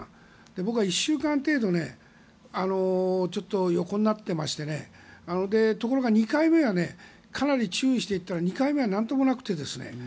僕は１週間程度横になっていましてところが、２回目はかなり注意して行ったら２回目はなんともなくて。